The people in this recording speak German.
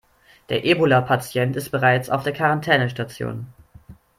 Der Ebola-Patient ist bereits auf der Quarantänestation.